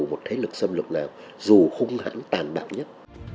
một thế lực xâm lược nào dù không hẳn tàn bạo nhất